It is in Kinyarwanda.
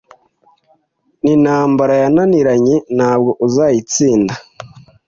N’intambara yarananiranye ntabwo uzayitsinda,